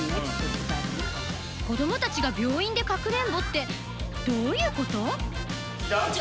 子どもたちが病院でかくれんぼってどういうこと。